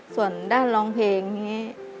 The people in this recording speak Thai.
ส่วนด้านร้องเพลงนี้